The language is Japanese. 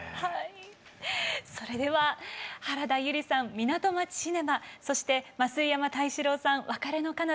それでは原田悠里さん「港町シネマ」そして増位山太志郎さん「別れの彼方」